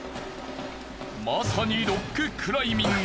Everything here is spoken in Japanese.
まさにロッククライミング。